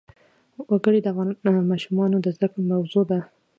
وګړي د افغان ماشومانو د زده کړې موضوع ده.